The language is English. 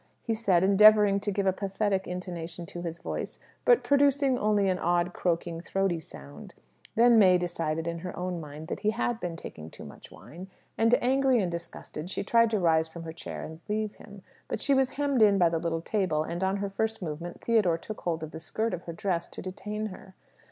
he said, endeavouring to give a pathetic intonation to his voice, but producing only an odd, croaking, throaty sound. Then May decided, in her own mind, that he had been taking too much wine; and, angry and disgusted, she tried to rise from her chair and leave him. But she was hemmed in by the little table, and on her first movement, Theodore took hold of the skirt of her dress to detain her.